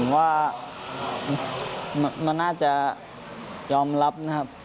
ผมว่ามันน่าจะยอมรับนะครับ